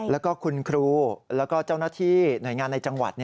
แล้วก็คุณครูแล้วก็เจ้าหน้าที่หน่วยงานในจังหวัด